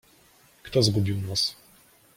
— Kto zgubił nos?